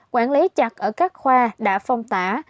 quản lý chặt ở các khoa đã phong tỏa